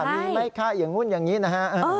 มีไหมคะอย่างนู้นอย่างนี้นะฮะ